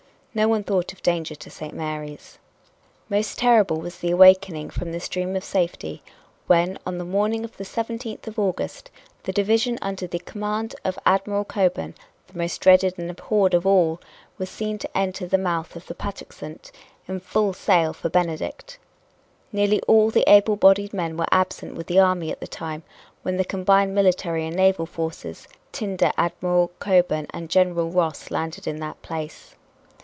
No one thought of danger to St. Mary's. Most terrible was the awakening from this dream of safety, when, on the morning of the 17th of August, the division under the command of Admiral Cockburn the most dreaded and abhorred of all was seen to enter the mouth of the Patuxent in full sail for Benedict. Nearly all the able bodied men were absent with the army at the time when the combined military and naval forces tinder Admiral Cockburn and General Ross landed at that place.